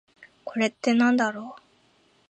これってなんだろう？